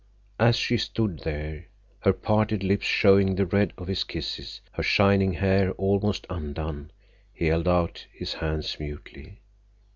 As she stood there, her parted lips showing the red of his kisses, her shining hair almost undone, he held out his hands mutely.